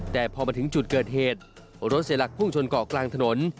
แต่พอมาถึงจุดเกิดเหตุรถเสียหลักพุ่งชนเกาะกลางถนน